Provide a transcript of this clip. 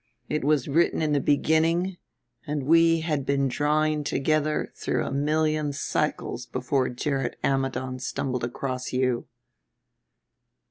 It was written in the beginning, and we had been drawing together through a million cycles before Gerrit Ammidon stumbled across you."